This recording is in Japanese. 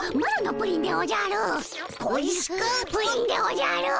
プリンでおじゃる！